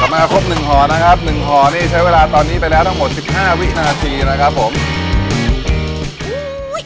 กลับมาคบหนึ่งหอนะครับหนึ่งหอนี่ใช้เวลาตอนนี้ไปแล้วตังคง๑๕นาที